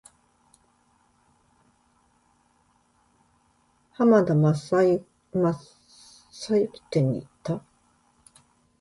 浜田雅功展に行った。